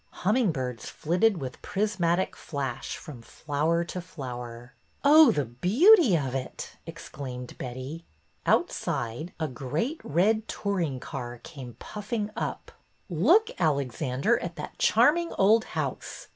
Humming birds flitted with pris matic flash from flower to flower. '' Oh, the beauty of it !" exclaimed Betty. Outside, a great red touring car came puff ing up. '' Look, Alexander, at that charming old house.